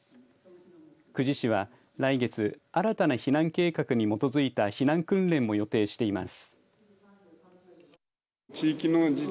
久慈市は来月新たな避難計画に基づいた避難訓練も予定しています。